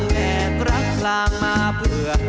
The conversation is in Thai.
แลกรักกลางมาเผื่อ